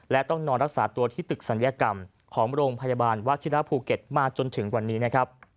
และต้องนอนรักษาตัวที่ตึกศัลยกรรมของโรงพยาบาลวัชิระภูเก็ตมาจนถึงวันนี้นะครับ